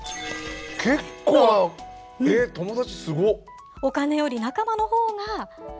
結構なえっ友達すごっ。